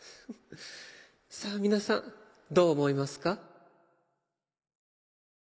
さあ皆さんどう思いますか？